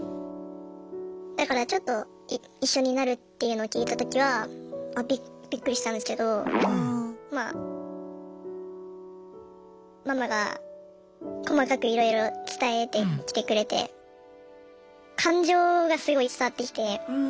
だからちょっと一緒になるっていうのを聞いたときはびっくりしたんですけどまあママが細かくいろいろ伝えてきてくれて感情がすごい伝わってきて。